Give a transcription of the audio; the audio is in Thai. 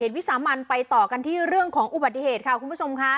วิสามันไปต่อกันที่เรื่องของอุบัติเหตุค่ะคุณผู้ชมค่ะ